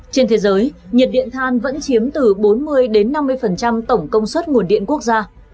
trên thế giới nhiệt điện than vẫn chiếm từ bốn mươi năm mươi tổng công suất nguồn điện quốc gia